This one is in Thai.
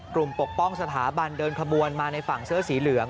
ปกป้องสถาบันเดินขบวนมาในฝั่งเสื้อสีเหลือง